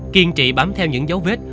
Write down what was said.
kiên trị bám theo những dấu vết